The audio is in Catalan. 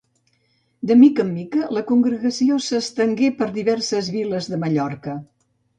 De mica en mica, la congregació s'estengué per diverses viles de Mallorca.